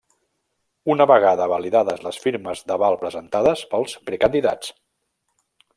Una vegada validades les firmes d'aval presentades pels precandidats.